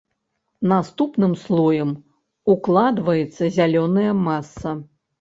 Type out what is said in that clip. Наступным слоем укладваецца зялёная маса.